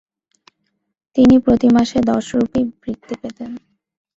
তিনি প্রতিমাসে দশ রূপি বৃত্তি পেতেন।